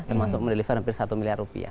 termasuk mendeliver hampir satu miliar rupiah